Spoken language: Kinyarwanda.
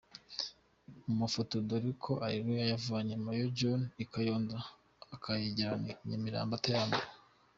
Mu mafoto, dore uko Areruya yavanye Mayo jone i Kayonza akayigerana i Nyamirambo atayambuwe.